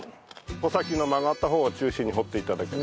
穂先の曲がった方を中心に掘って頂いて。